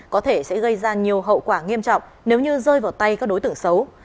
có thể sẽ gây ra nhiều hậu quả nghiêm trọng nếu như rơi vào tay các đối tượng xấu